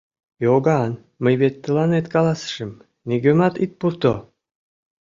— Иоганн, мый вет тыланет каласышым: нигӧмат ит пурто!